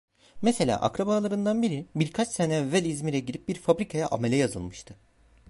Mesela, akrabalarından biri, birkaç sene evvel İzmir'e gidip bir fabrikaya amele yazılmıştı.